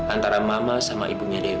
antara mama sama ibunya dewa